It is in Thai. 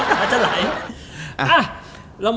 อาร์โดมัสอาร์โดมัส